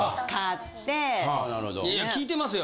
いや聞いてますよ。